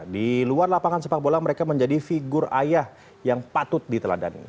di luar lapangan sepak bola mereka menjadi figur ayah yang patut diteladani